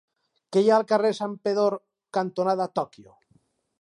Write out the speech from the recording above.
Què hi ha al carrer Santpedor cantonada Tòquio?